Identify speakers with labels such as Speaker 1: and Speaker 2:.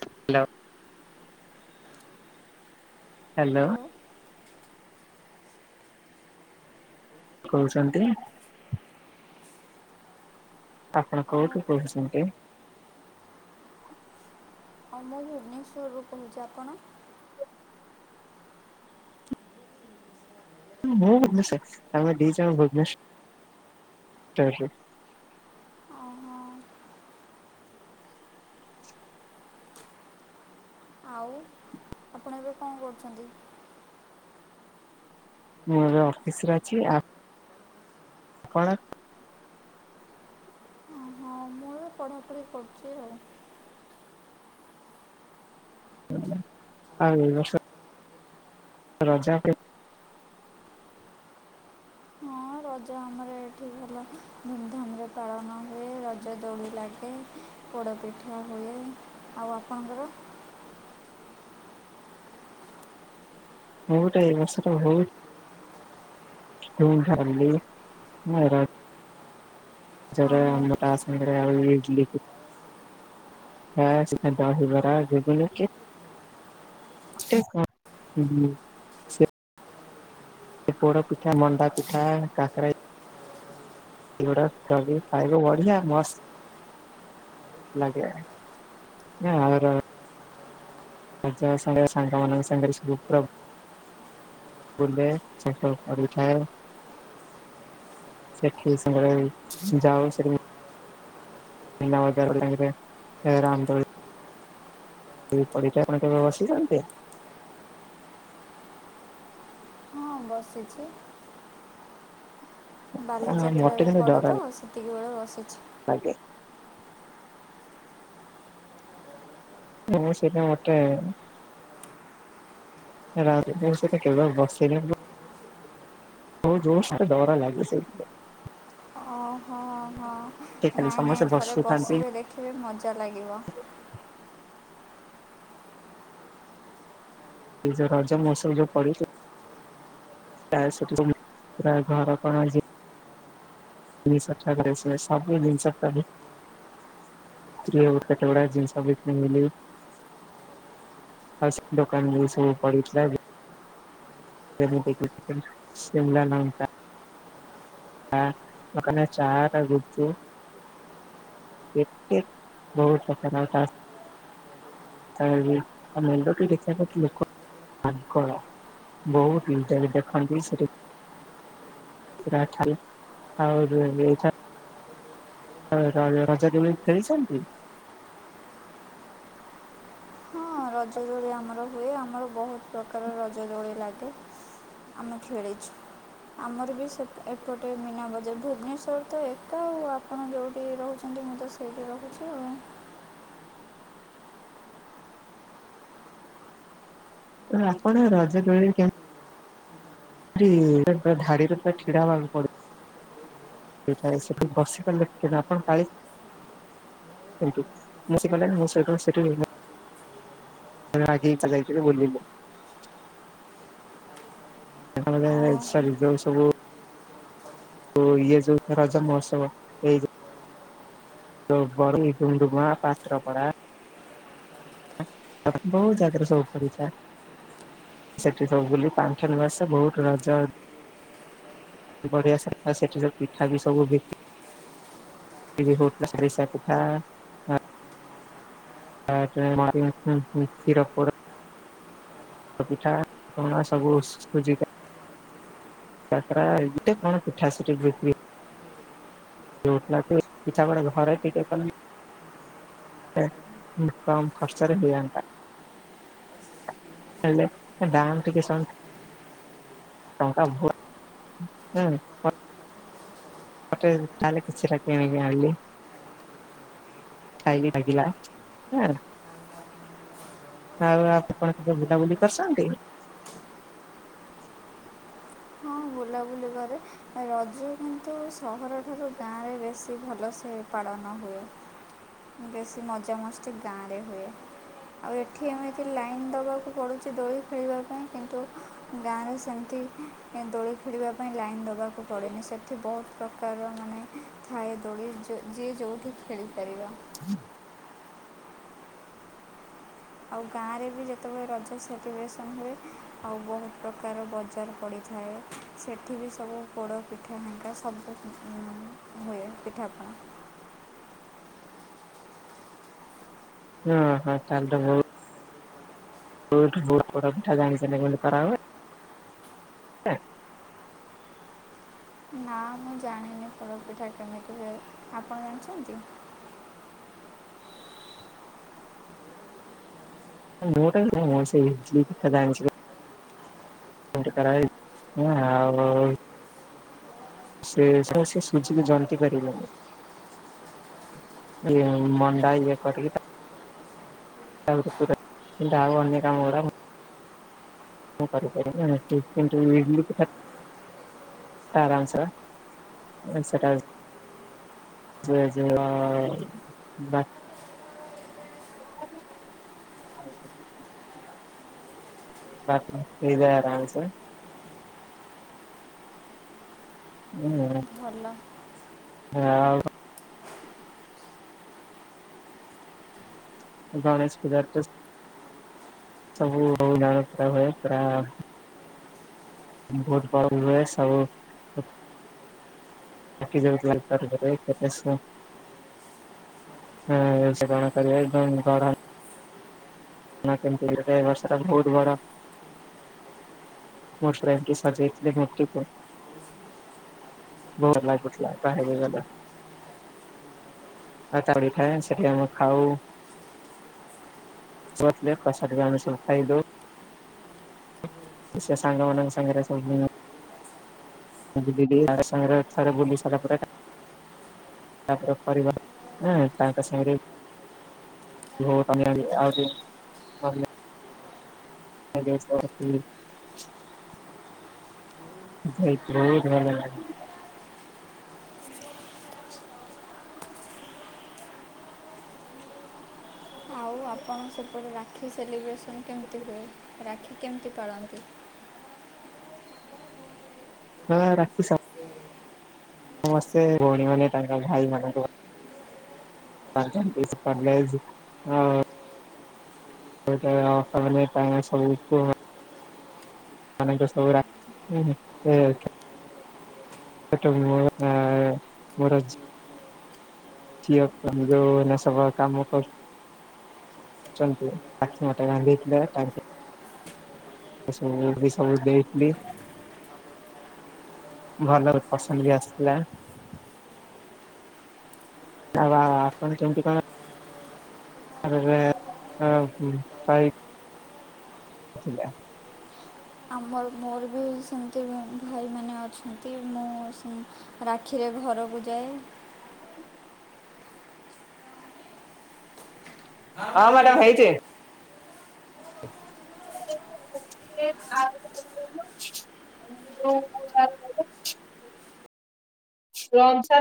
Speaker 1: Hello. Hello.
Speaker 2: Hello
Speaker 1: କହୁଛନ୍ତି ଆପଣ କୋଉଠୁ କହୁଛନ୍ତି?
Speaker 2: ହଁ ମୁଁ ଭୁବନେଶ୍ୱରରୁୁ କହୁଚି। ଆପଣ?
Speaker 1: ମୁଁ ଭୁବନେଶ୍ୱର। ଆମେ ଦୁଇ ଜଣ ଭୁବନେଶ୍ୱର ରୁ।
Speaker 2: ଓହୋ ଆଉ ଆପଣ ଏବେ କଣ କରୁଛନ୍ତି?
Speaker 1: ମୁଁ ଏ ଅଫିସରେ ଅଛି। ଆ ପଣ
Speaker 2: ହଁ ମୁଁ ଏଇ ପଢ଼ାପଢ଼ି କରୁଚି ଆଉ।
Speaker 1: [unintelligible] ରଜ କେ
Speaker 2: ହଁ ରଜ ଆମର ଏଠି ଭଲ ଧୁମଧାମ୍ ରେ ପାଳନ ହୁଏ। ରଜ ଦୋଳି ଲାଗେ। ପୋଡ଼ପିଠା ହୁଏ। ଆଉ ଆପଣଙ୍କର?
Speaker 1: ମୁଁ ଗୋଟେ ଏଇ ବର୍ଷର ବହୁତ୍ [unintelligible]
Speaker 2: ହଁ
Speaker 1: [unintelligible] [unintelligible] ଦହିବରା ଘୁଗୁନି କେ [unintelligible] ସେ ପୋଡ ପିଠା, ମଣ୍ଡା ପିଠା, କାକେରା [unintelligible] ଖାଇବ ବଢିଆ ମସ୍ତ୍ ଲାଗେ। [unintelligible] [unintelligible] ସାଙ୍ଗ ମାନଙ୍କ ସାଙ୍ଗରେ। [unintelligible] ବୁଲେ [unintelligible] କରୁଥାଏ। ସେଠି [unintelligible] ଯାଉ ସେଠି [unintelligible] ଏ ରାମ୍ ଦୋଳି ସେ ପରକ୍ଷା ଆପଣ କେବେ ବସିଚନ୍ତିି?
Speaker 2: ହଁ ବସିଛି।
Speaker 1: ମତେ
Speaker 2: ବାଲିଯାତ୍ରାରେ ପଡ଼େ ତ ସେତିକିବେଳେ ବସିଛି।
Speaker 1: ଆଗେ। [unintelligible] ମତେ [unintelligible] ବହୁ ଜୋର୍ ସେ ଡର ଲାଗୁଚି।
Speaker 2: ଓ ହୋ ହ
Speaker 1: ଖାଲି
Speaker 2: ନାଇଁ ନାଇଁ
Speaker 1: ସମସ୍ତେ
Speaker 2: ଥରେ
Speaker 1: ବସୁଥାନ୍ତି
Speaker 2: ବସିବେ ଦେଖିବେ ମଜା ଲାଗିବ।
Speaker 1: ଏ ଯୋଉ ରଜ ମହୋତ୍ସବ ଯଉ ପଡିଚି। [unintelligible] [unintelligible] ସବୁ ଜିନିଷ [unintelligible] [unintelligible] କେତେ ଗୁଡାଏ ଜିନିଷ ବିକି [unintelligible] ହ ସେ ଦୋକାନ ଯୋଉ ସବୁ ପଡ଼ିଥିଲା। [unintelligible] ଶିମଲା ଲଙ୍କା। କା [unintelligible] ଚାଟ, ଗୁପଚୁପ। କେତେ ବହୁତ ପ୍ରକାର [unintelligible] [unintelligible] ଦେଖିବା କି ଲୋକ ପାଗଳ ବହୁତ [unintelligible] ଦେଖନ୍ତି ସେଠୀ। [unintelligible] ଆ ର ରଜ ଦୋଳି ଖେଳିଛନ୍ତି?
Speaker 2: ହଁ ରଜ ଦୋଳି ଆମର ହୁଏ ଆମର ବହୁତ ପ୍ରକାର ରଜଦୋଳି ଲାଗେ। ଆମେ ଖେଳିଛୁ। ଆମର ବି ସେ ଏପଟେ ମୀନା ବଜାର ଭୁବନେଶ୍ୱର ତ ଏକା। ଆପଣ ଯୋଉଠି ରହୁଛନ୍ତି ମୁଁ ତ ସେଇଠି ରହୁଛି ଆଉ।
Speaker 1: ଆପଣ ରଜ ଦୋଳି କେ ଧାଡିରେ ପୁରା ଛିଡ଼ାବାକୁ ପଡ। ସେଇଟା ସେଠି ବସି ପା [unintelligible] ଆପଣ ପାଳି [unintelligible] ରାଗିକି [unintelligible] ବୁଲିଲୁ।
Speaker 2: ଓହୋ
Speaker 1: [unintelligible] ସରି ଯୋଉ ସବୁ ତ ଇଏ ଯୋଉ ରଜ ମହୋତ୍ସବ ଏଇ ଯୋଉ ଯୋଉ ବରି ଡୁମଡୁମା ପାତ୍ରପଡା। ବହୁତ ଜାଗାରେ ସବୁ [unintelligible] ସେଠି ସବୁ ବୁଲି ପାନ୍ଥନିବାସ ବହୁତ ରଜ ବଢିଆ ସଫା ସେଠି ସବୁ ପିଠା ବି ସବୁ ବିକ୍ରି ବିକ୍ରି ହଉଥିଲା, ଆରିସା ପିଠା। ତାପରେ [unintelligible] ଖିର ପୋଡ଼ ପୋଡ଼ ପିଠା, ପଣା ସବୁ ସୁଜିକା କାକରା କେତେ କଣ ପିଠା ସେଠି ବିକ୍ରି ହଉଥିଲା, ପିଠା ଗୁଡା ଘରେ ଟିକେ କଲେ ଲେ ମାନେ କମ୍ ଖର୍ଚ୍ଚ ରେ ହେଇଯାଆନ୍ତା। ହେଲେ ଦାମ ଟିକେ [unintelligible] ହୋଟେଲ ତାହାଲେ କିଛି ଟା କିଣିକି ଆଣିଲି। ଖାଇବି [unintelligible] ଆଉ ଆପଣ କେବେ ବୁଲାବୁଲି କରଚନ୍ତି?
Speaker 2: ହଁ ବୁଲାବୁଲି କରେ। ଆଁରଜ କିନ୍ତୁ ସହରଠାରୁ ଗାଁରେ ବେଶୀ ଭଲସେ ପାଳନ ହୁଏ। ବେଶୀ ମଜାମସ୍ତି ଗାଁରେ ହୁଏ। ଆଉ ଏଠି ଏମିତି ଲାଇନ୍ ଦେବାକୁ ପଡ଼ୁଚି ଦୋଳି ଖେଳିବା ପାଇଁ କିନ୍ତୁ। ଗାଁରେ ସେମତି ମାନେ ଦୋଳି ଖେଳିବା ପାଇଁ ଲାଇନ୍ ଦେବାକୁ ପଡ଼େନି ସେଠି ବହୁତ୍ ପ୍ରକାର ମାନେ ଥାଏ ଦୋଳି ଯି ଯିଏ ଯୋଉଠି ଖେଳିପାରିବ।
Speaker 1: [inaudible]
Speaker 2: ଆଉ ଗାଁରେବି ଯେତେବେଳେ ରଜ ସେଲିବ୍ରେସନ୍ ହୁଏ ଆଉ ବହୁତ୍ ପ୍ରକାର ବଜାର ପଡ଼ିଥାଏ ସେଠିବି ସବୁ ପୋଡ଼ ପିଠା ହୋଙ୍କା ସବୁ ଉଁ ହୁଏ ପିଠାପଣା।
Speaker 1: ହଁ ହଁ ତାହେଲେତ ବହୁତ୍ ବହୁତ୍ ବହୁତ୍ ଗୁଡ଼ ପୋଡ଼ପିଠା ଜାଣିଚନ୍ତି କେମିତି କରାହୁଏ?
Speaker 2: ନାମୁଁ ଜାଣିନି ଫୋଡ଼ପିଠା କେମିତି ହୁଏ ଆପଣ ଜାଣିଛନ୍ତି?
Speaker 1: ମୁଁତ ସେଇ ଇଟିଲି ପିଠା ଜାଣିଚି। କେମିତି କରାହୁଏ ଆଉ ସେ ସେ ସୁଝିକି ଜନ୍ତିି ପାରିବନି। ଏଇ ମଣ୍ଡା ଇଏ କରକି ତା [unintelligible] କିନ୍ତୁ ଆଉ ଅନ୍ୟ କାମଗୁରା ମୁଁ କରିପାରେନା କିନ୍ତୁ ଇଟିଲି ପିଠା ଆରାମସେ ସେଟା [unintelligible] [unintelligible] ଭାତ ହେଇଯାଏ ଆରାମସେ। ହୁଁ।
Speaker 2: ଭଲ।
Speaker 1: ଆଉ ଗଣେଶ ପୂଜାରେତ ସ ସବୁ ଗାଁରେ କରା ହୁଏ ପୁରା ବହୁତ୍ ବଡ଼ବି ହୁଏ ସବୁ [unintelligible] ଉଁ ସେକଣ କରିବେ ଗଡ଼ା ନା କେମିତି କରିବେ ଏବର୍ଷଟା ବହୁତ୍ ବଡ଼ [unintelligible] ମୋର ଲାଗୁଥିଲା ବାହାରି ଗଲା। [unintelligible] ସେଠି ଆମେ ଖାଉ। ସରିଲେ ପ୍ରସାଦବି ଆମେ ସବୁ ଖାଇଦଉ। ସିଏ ସାଙ୍ଗମାନଙ୍କ ସାଙ୍ଗରେ ସବୁ [unintelligible] ଥରେ ବୁଲିସାରିଲା ପରେ। ତାପରେ ପରିବାର [unintelligible] ତାଙ୍କ ସାଙ୍ଗରେ [unintelligible] ଆଜ୍ଞା [unintelligible] ସେଇଟି ବହୁତ୍ ଭଲ ଲାଗେ।
Speaker 2: ଆଉ ଆପଣ ସେପଟେ ରାକ୍ଷୀ ସେଲିବ୍ରେସନ୍ କେମତି ହୁଏ ରାକ୍ଷୀ କେମତି ପାଳନ୍ତି?
Speaker 1: ହଁ ରାଖୁ ସ ସମସ୍ତେ ଭୋଉଣୀମାନେ ତାଙ୍କ ଭାଇମାନଙ୍କୁ ବା ବାନ୍ଧନ୍ତି ସେ ପାଲେଜ ଓ ଓ ଏଟାରେ ଅର୍ଥ ମାନେ [unintelligible] ସବୁ [unintelligible] ମାନେ ଯୋଉ ସବୁ ରାକ୍ଷୀ ଉଁହୁଁ [unintelligible] ହେଠୁ ମୋର ଯାହା ମୋର ଯି ଝିଅ ମାନେ ଯୋଉ ଏଇନା ସବୁ କାମ କରୁ ଚନ୍ତି ଆଠଟା ବାନ୍ଧଦେଇଥିଲ ତାଙ୍କୁ ଏ ସବୁ ବି ସବୁ ଦେଇଥିଲି ଭଲ ପସନ୍ଦ ବି ଆସିଥିଲା। ଆଉ ଆ ଆ ଆପଣ କେମତି କଣ ଆରେ ରେ ଅ ଉଁ ପାଇ ଥିଲେ?
Speaker 2: ଆମର ମୋର ବି ଏଇ ସେମତି ମୁଁ ଭାଇମାନେ ଅଛନ୍ତି ମୁଁ ସେ ରାକ୍ଷୀରେ ଘରକୁ ଯାଏ।
Speaker 1: ହଁ ମ୍ୟାଡ଼ାମ ହେଇଚି। ଏଇ ଯୋଉ [inaudible] ସେ ଅନୁସାର